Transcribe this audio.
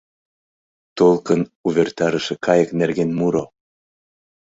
ТОЛКЫН УВЕРТАРЫШЕ КАЙЫК НЕРГЕН МУРО